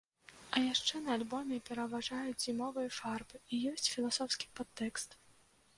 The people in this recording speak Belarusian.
А яшчэ на альбоме пераважаюць зімовыя фарбы і ёсць філасофскі падтэкст.